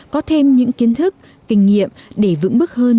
có thêm những kiến thức kinh nghiệm để vững bước hơn